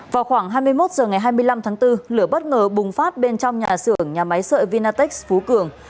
vào khoảng hai mươi một giờ ngày hai mươi năm tháng bốn lửa bất ngờ bùng phát bên trong nhà sưởng nhà máy sợi vinatex phú cường